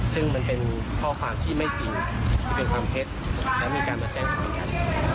ซึ่งมันเป็นข้อความที่ไม่จริงมันเป็นความเท็จแล้วมีการมาแจ้งความกัน